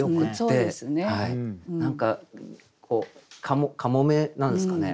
何かかもめなんですかね